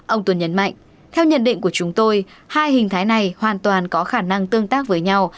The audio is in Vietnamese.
ông tuân nhấn mạnh theo nhận định của chúng tôi hai hình thái này hoàn toàn có khả năng tương tác với nhau